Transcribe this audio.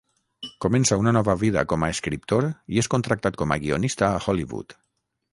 Comença una nova vida com a escriptor i és contractat com a guionista a Hollywood.